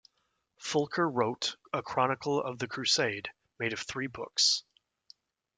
Fulcher wrote a chronicle of the crusade, made of three books.